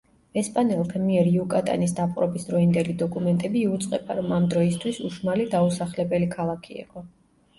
ესპანელთა მიერ იუკატანის დაპყრობის დროინდელი დოკუმენტები იუწყება, რომ ამ დროისთვის უშმალი დაუსახლებელი ქალაქი იყო.